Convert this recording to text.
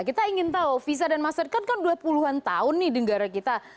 kita ingin tahu visa dan mastercard kan dua puluh an tahun nih negara kita